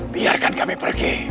biarkan kami pergi